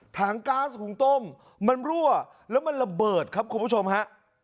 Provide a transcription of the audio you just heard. ก๊าซหุงต้มมันรั่วแล้วมันระเบิดครับคุณผู้ชมฮะ